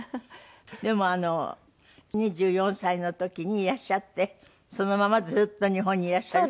でも２４歳の時にいらっしゃってそのままずっと日本にいらっしゃる。